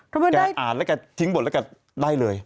กระอาดและกระถิ่งบทและกระได้เลย